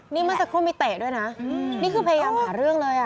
นี่เมื่อสักครู่มีเตะด้วยนะนี่คือพยายามหาเรื่องเลยอ่ะ